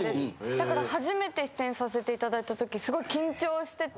だから初めて出演させていただいた時すごい緊張してて。